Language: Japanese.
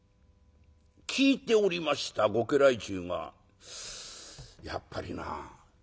聞いておりましたご家来衆が「やっぱりな。